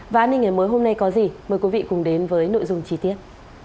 và an ninh ngày mới hôm nay có gì mời quý vị cùng đến với nội dung chi tiết